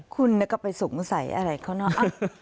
คุณก็ไปสงสัยอะไรเขาเนอะ